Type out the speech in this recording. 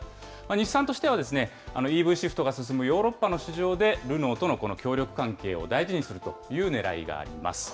日産としてはＥＶシフトが進むヨーロッパの市場で、ルノーとの協力関係を大事にするというねらいがあります。